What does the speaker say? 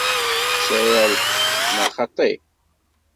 Sɛiɣ lḥeqq, neɣ xaṭi?